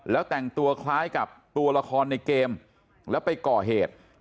แล้วแต่งตัวคล้ายกับตัวละครในเกมแล้วไปก่อเหตุ